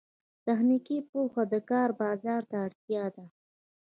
تخنیکي پوهه د کار بازار ته اړتیا ده